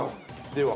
では。